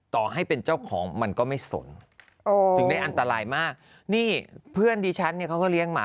และช่องลายหมาเราบ้า๊ดใจดีนะ